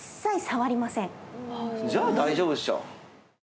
じゃあ大丈夫っしょ。